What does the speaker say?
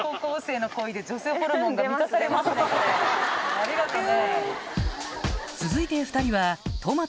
ありがとうね。